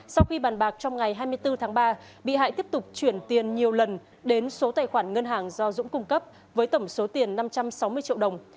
sau khi bàn bạc trong ngày hai mươi bốn tháng ba bị hại tiếp tục chuyển tiền nhiều lần đến số tài khoản ngân hàng do dũng cung cấp với tổng số tiền năm trăm sáu mươi triệu đồng